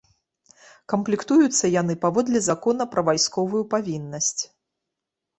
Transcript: Камплектуюцца яны паводле закона пра вайсковую павіннасць.